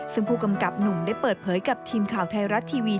ซึ่งผู้กำกับหนุ่มได้เปิดเผยกับทีมข่าวไทยรัฐทีวี